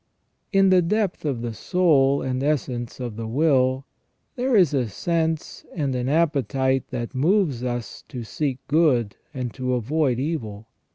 In the depth of the soul and essence of the will there is a sense and an appetite that moves us to seek good and to avoid evil.